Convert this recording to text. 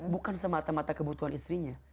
bukan semata mata kebutuhan istrinya